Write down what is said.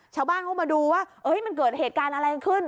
ชาวบ้านเขามาดูว่ามันเกิดเหตุการณ์อะไรกันขึ้น